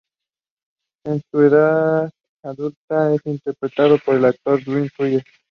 En su edad adulta, es interpretado por el actor Drew Fuller.